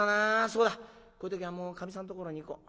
そうだこういう時はもうかみさんところに行こう。